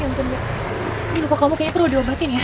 ini lokal kamu kayaknya perlu diobatin ya